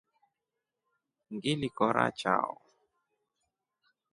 Ngili kora chao.